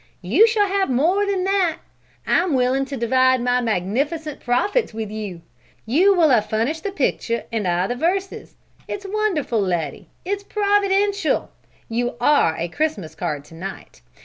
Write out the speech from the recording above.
"You shall have more than that! I'm willing to divide my magnificent profits with you. You will have furnished the picture and I the verses. It's wonderful, Letty, it's providential! You just are a Christmas card to night!